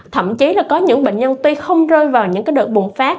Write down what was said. thậm chí là có những bệnh nhân tuy không rơi vào những đợt bùng phát